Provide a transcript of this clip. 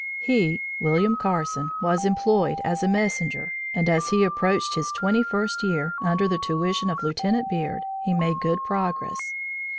He (William Carson) was employed, as a 'Messenger,' and, as he approached his twenty first year, under the tuition of Lieutenant Beard, he made good progress.